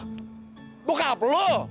oh bokap lu